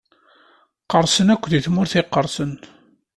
Qqerṣen akk di tmurt iqerṣen.